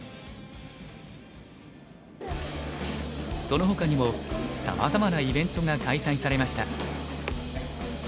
そのほかにもさまざまなイベントが開催されました。